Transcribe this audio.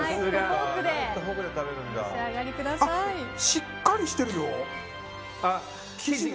しっかりしてるよ。